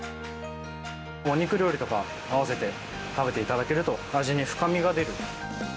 お肉料理とか合わせて食べていただけると、味に深みが出る。